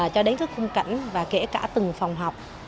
cho đến các khung cảnh và kể cả từng phòng học